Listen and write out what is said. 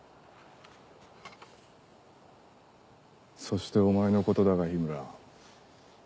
そしてお前のことだが緋村。